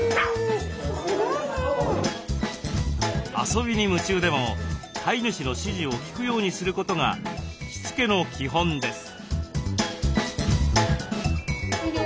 遊びに夢中でも飼い主の指示を聞くようにすることがしつけの基本です。